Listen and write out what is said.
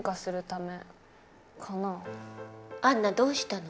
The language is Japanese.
杏奈どうしたの？